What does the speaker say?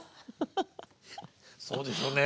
そうでしょうね。